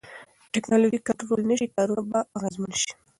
که ټکنالوژي کنټرول نشي، کارونه به اغیزمن شي.